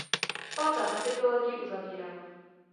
Pátá kapitola děj uzavírá.